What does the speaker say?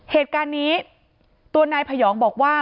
เหตุการณ์นี้ตัวนายพยองบอกว่า